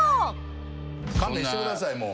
勘弁してくださいもう。